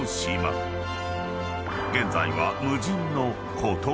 ［現在は］